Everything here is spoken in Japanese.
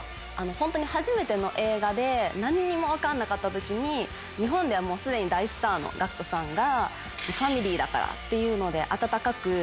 本当に初めての映画で何にも分かんなかった時に日本では既に大スターのＧＡＣＫＴさんが。